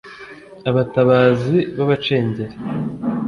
Abatabazi b’Abacengeri